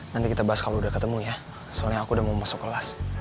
nanti kita bahas kalau udah ketemu ya soalnya aku udah mau masuk kelas